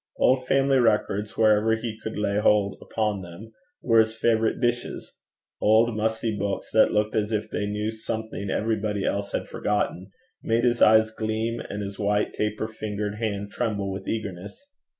Old family records, wherever he could lay hold upon them, were his favourite dishes; old, musty books, that looked as if they knew something everybody else had forgotten, made his eyes gleam, and his white taper fingered hand tremble with eagerness.